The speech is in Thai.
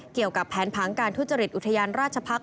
เกี่ยวกับแผนผังการทุจริตอุทยานราชพักษ